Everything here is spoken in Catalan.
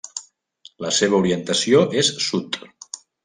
La seva orientació és sud.